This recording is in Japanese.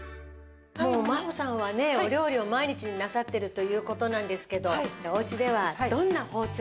もう真帆さんはねお料理を毎日なさってるという事なんですけどお家ではどんな包丁を。